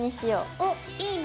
おっいいね。